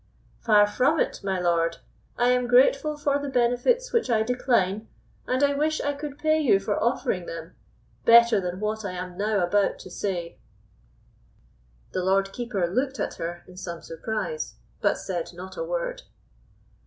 "Far from it, my lord; I am grateful for the benefits which I decline, and I wish I could pay you for offering them, better than what I am now about to say." The Lord Keeper looked at her in some surprise, but said not a word.